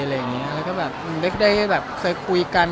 แล้วเคยได้ค่อยคุยกัน